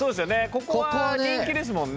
ここは人気ですもんね。